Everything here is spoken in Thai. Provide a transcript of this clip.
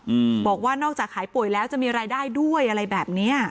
อืมบอกว่านอกจากขายป่วยแล้วจะมีรายได้ด้วยอะไรแบบเนี้ย